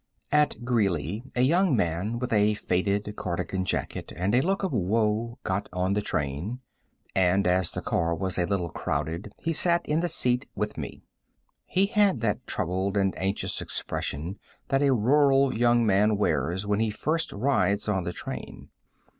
At Greeley a young man with a faded cardigan jacket and a look of woe got on the train, and as the car was a little crowded he sat in the seat with me. He had that troubled and anxious expression that a rural young man wears when he first rides on the train.